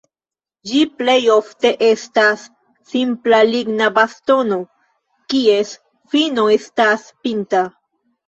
Ĝi plej ofte estas simpla ligna bastono, kies fino estas pinta.